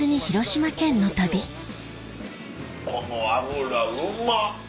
この脂うまっ！